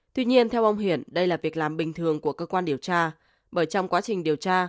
tuy nhiên theo ông hiển đây là việc làm bình thường của cơ quan điều tra bởi trong quá trình điều tra